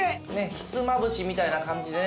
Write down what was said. ひつまぶしみたいな感じでね。